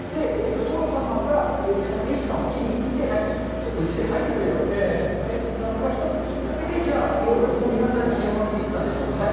殿様が絵師さんを気に入ってちょっとうちで描いてくれよと描いたのが一つきっかけでいろいろ皆さんに広まっていったんでしょうかね。